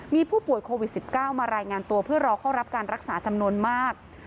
มีผู้ป่วยโควิด๑๙มารายงานตัวเพื่อรอเข้ารับการรักษาจำนวนมาก